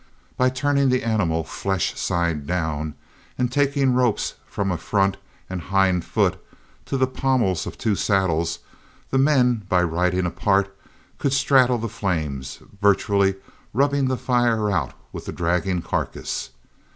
By turning the animal flesh side down and taking ropes from a front and hind foot to the pommels of two saddles, the men, by riding apart, could straddle the flames, virtually rubbing the fire out with the dragging carcass.